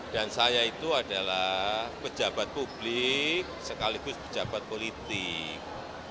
saya itu adalah pejabat publik sekaligus pejabat politik